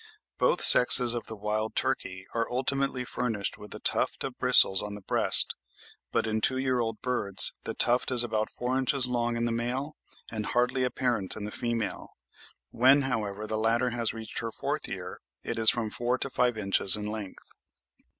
Both sexes of the wild turkey are ultimately furnished with a tuft of bristles on the breast, but in two year old birds the tuft is about four inches long in the male and hardly apparent in the female; when, however, the latter has reached her fourth year, it is from four to five inches in length.